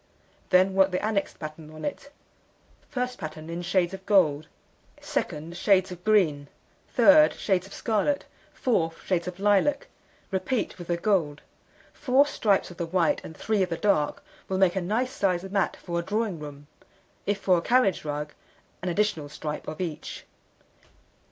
Then work the annexed pattern on it. First pattern in shades of gold; second, shades of green; third, shades of scarlet; fourth, shades of lilac. Repeat with the gold. Four stripes of the white, and 3 of the dark, will make a nice sized mat for a drawing room. If for a carriage rug, an additional stripe of each.